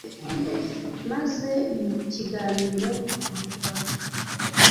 maze mu kiganiro Inyarwanda